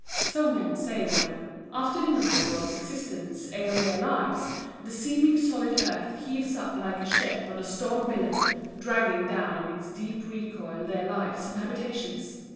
So men say when, after denying God's existence ail their lives, the seeming solid earth heaves up like a ship on a storm billow, dragging down in its deep recoil their lives and habitations.